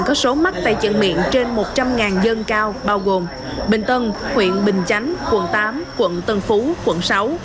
có số mắc tai chân miệng trên một trăm linh dân cao